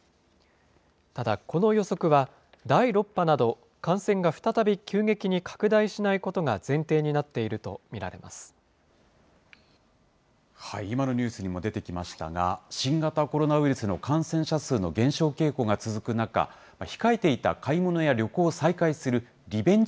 ただ、この予測は第６波など、感染が再び急激に拡大しないことが今のニュースにも出てきましたが、新型コロナウイルスの感染者数の減少傾向が続く中、控えていた買い物や旅行を再開するリベンジ